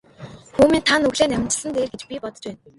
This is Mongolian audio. Хүү минь та нүглээ наманчилсан нь дээр гэж би бодож байна.